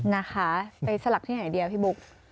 นะคะไปสลักที่ไหนเดียวพี่บุ๊ค